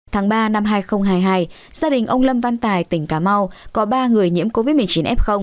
tháng ba năm hai nghìn hai mươi hai gia đình ông lâm văn tài tỉnh cà mau có ba người nhiễm covid một mươi chín f